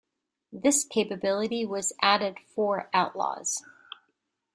This capability was added for "Outlaws".